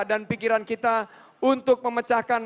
dan pikiran kita untuk memecahkan